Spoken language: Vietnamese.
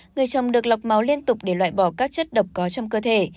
người chồng được lọc máu liên tục để loại bỏ các chất độc có trong cơ thể